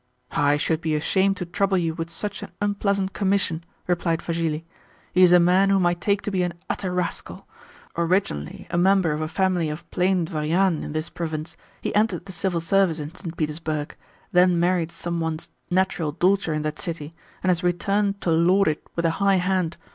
"I should be ashamed to trouble you with such an unpleasant commission," replied Vassili. "He is a man whom I take to be an utter rascal. Originally a member of a family of plain dvoriane in this province, he entered the Civil Service in St. Petersburg, then married some one's natural daughter in that city, and has returned to lord it with a high hand.